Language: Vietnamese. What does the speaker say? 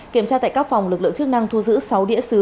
kiểm tra tại các phòng lực lượng chức năng thu giữ sáu đĩa xứ